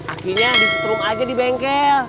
akinya di setrum aja di bengkel